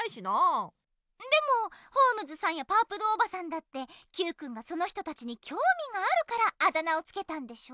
でもホームズさんやパープルおばさんだってＱくんがその人たちにきょうみがあるからあだ名をつけたんでしょ？